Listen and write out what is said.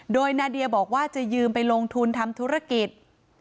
โดยนาเดียบอกว่าจะยืมไปลงทุนทำธุรกิจ